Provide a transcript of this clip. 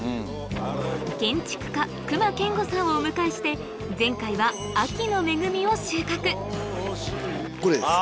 建築家隈研吾さんをお迎えして前回は秋の恵みを収穫これです。